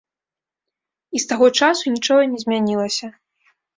І з таго часу нічога не змянілася.